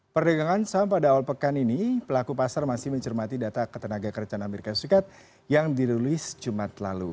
perdagangan saham pada awal pekan ini pelaku pasar masih mencermati data ketenaga kerjaan amerika serikat yang dirilis jumat lalu